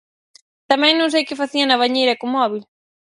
Tamén non sei que facía na bañeira co móbil.